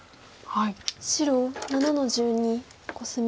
白７の十二コスミ。